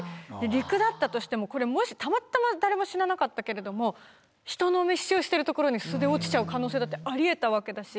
陸だったとしてもこれもしたまたま誰も死ななかったけれども人の密集してる所に落ちちゃう可能性だってありえたわけだし。